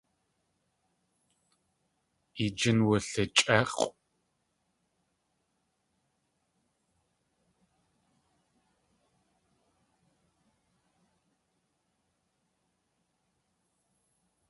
I jín wulichʼéx̲ʼw.